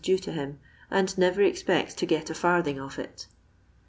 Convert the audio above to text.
due to him, and never expects to get a farthing of it.